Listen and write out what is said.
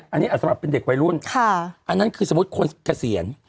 อันเนี้ยอาสมัครเป็นเด็กไวรุ่นค่ะอันนั้นคือสมมติคนเกษียณ